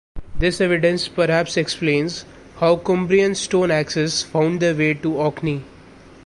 This evidence perhaps explains how Cumbrian stone axes found their way to Orkney.